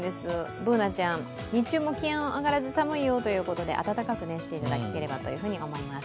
Ｂｏｏｎａちゃん、日中も気温上がらず寒いよということで温かくしていただければと思います。